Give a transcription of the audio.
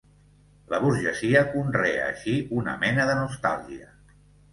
La burgesia conrea així una mena de nostàlgia.